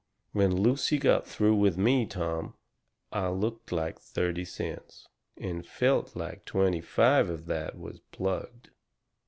When Lucy got through with me, Tom, I looked like thirty cents and felt like twenty five of that was plugged.